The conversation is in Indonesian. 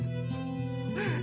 itu ibu kalian